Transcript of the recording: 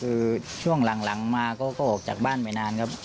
คือเกี่ยวกับเรื่องยาช่วงหลังมาก็ออกจากบ้านไปนานครับ